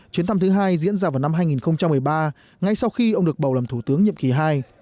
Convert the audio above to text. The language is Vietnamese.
chuyến thăm thứ hai diễn ra vào năm hai nghìn một mươi ba ngay sau khi ông được bầu làm thủ tướng nhiệm kỳ hai